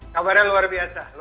kabarnya luar biasa